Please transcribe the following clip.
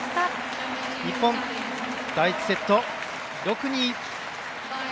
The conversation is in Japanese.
日本、第１セット６−２。